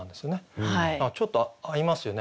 ちょっと合いますよね